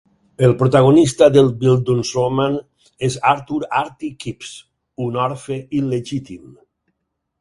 El protagonista del Bildungsroman és Arthur "Artie" Kipps, un orfe il·legítim.